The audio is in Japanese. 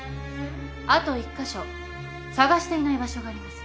あと１カ所探していない場所があります。